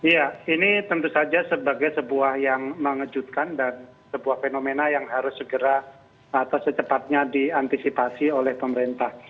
ya ini tentu saja sebagai sebuah yang mengejutkan dan sebuah fenomena yang harus segera atau secepatnya diantisipasi oleh pemerintah